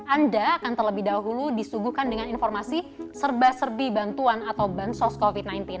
anda akan terlebih dahulu disuguhkan dengan informasi serba serbi bantuan atau bansos covid sembilan belas